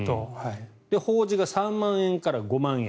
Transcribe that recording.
法事が３万円から５万円。